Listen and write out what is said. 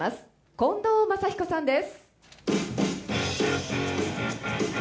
近藤真彦さんです。